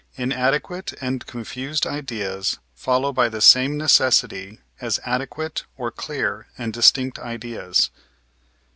Inadequate and confused ideas follow by the same necessity, as adequate or clear and distinct ideas.